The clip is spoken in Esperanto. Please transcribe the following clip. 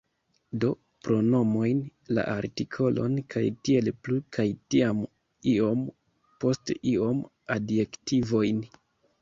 Do, pronomojn, la artikolon kaj tiel plu kaj tiam iom post iom adjektivojn